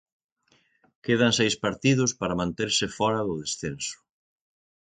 Quedan seis partidos para manterse fóra do descenso.